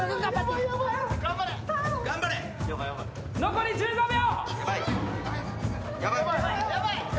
残り１５秒！